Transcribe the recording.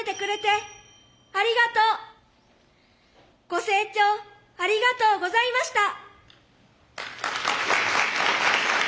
ご清聴ありがとうございました。